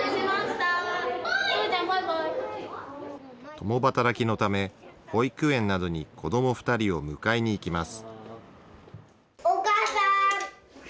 共働きのため、保育園などに子ども２人を迎えに行きます。